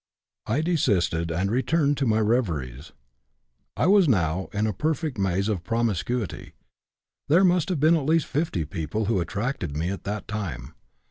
I desisted and returned to my reveries. I was now in a perfect maze of promiscuity; there must have been at least fifty people who attracted me at that time.